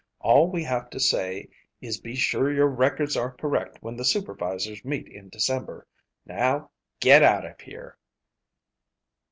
All we have to say is be sure your records are correct when the supervisors meet in December. Now get out of here!"